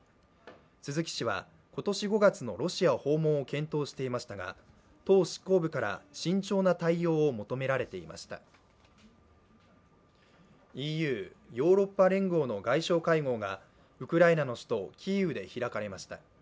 鈴木氏は今年５月のロシア訪問を検討していましたが党執行部から慎重な対応を求められていましたＥＵ＝ヨーロッパ連合の外相会合がウクライナの首都キーウで開かれました。